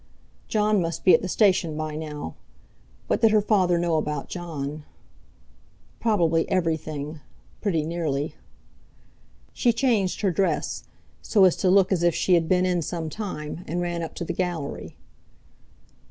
Jon must be at the station by now! What did her father know about Jon? Probably everything—pretty nearly! She changed her dress, so as to look as if she had been in some time, and ran up to the gallery.